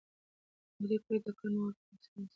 ماري کوري د کان مواد په تفصیل وڅېړل.